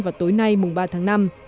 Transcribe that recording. vào tối nay mùng ba tháng năm